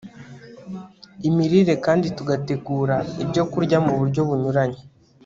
imirire kandi tugategura ibyokurya mu buryo bunyuranye